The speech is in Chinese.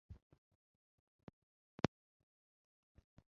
并于宗座慈幼大学取得大众传播心理学学士学位。